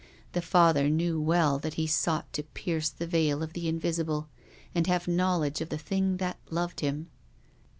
The Father knew well that he sought to pierce the veil of the invisible, and have knowledge of the thing that loved him.